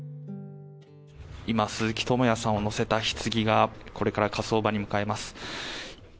今、鈴木智也さんを乗せた棺がこれから火葬場に向かいます。